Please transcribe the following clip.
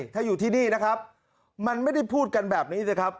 ถ้าอยู่ที่นี่นะครับมันไม่ได้พูดกันแบบนี้สิครับ